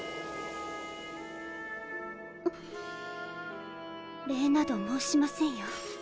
ん礼など申しませんよ。